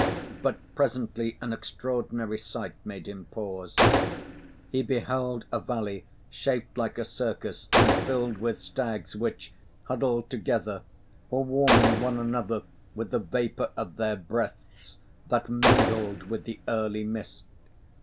But presently an extraordinary sight made him pause. He beheld a valley shaped like a circus and filled with stags which, huddled together, were warming one another with the vapour of their breaths that mingled with the early mist.